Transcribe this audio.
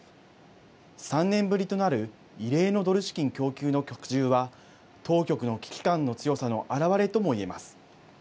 ３年ぶりとなる異例のドル資金供給の拡充は当局の危機感の強さの表れとも言えます。